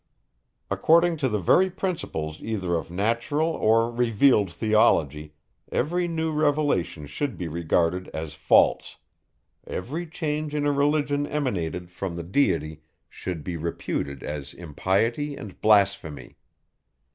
According to the very principles either of natural or revealed theology, every new revelation should be regarded as false; every change in a religion emanated from the Deity should be reputed an impiety and blasphemy.